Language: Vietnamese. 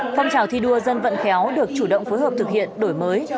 phong trào thi đua dân vận khéo được chủ động phối hợp thực hiện đổi mới